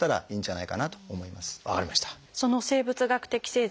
はい。